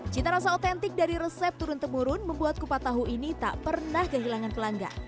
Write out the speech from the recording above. cita rasa otentik dari resep turun temurun membuat kupat tahu ini tak pernah kehilangan pelanggan